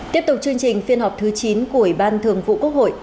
tiếp tục chương trình phiên họp thứ chín của ủy ban thường vụ quốc hội